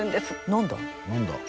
何だ？